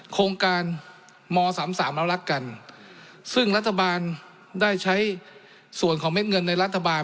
โครงการมสามสามเรารักกันซึ่งรัฐบาลได้ใช้ส่วนของเม็ดเงินในรัฐบาล